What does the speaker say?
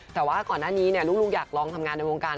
แต่ว่าก่อนหน้านี้ลูกอยากลองทำงานในวงการ